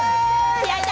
気合いだ！